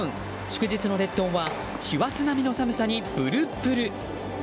祝日の列島は師走並みの寒さにブルッブル。